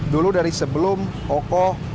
dulu dari sebelum hokoh